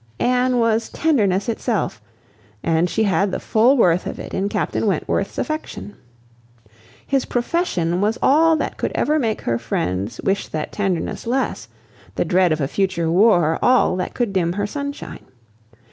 Anne was tenderness itself, and she had the full worth of it in Captain Wentworth's affection. His profession was all that could ever make her friends wish that tenderness less, the dread of a future war all that could dim her sunshine.